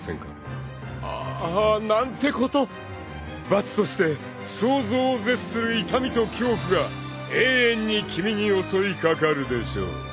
［罰として想像を絶する痛みと恐怖が永遠に君に襲い掛かるでしょう］